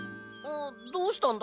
どうしたんだ？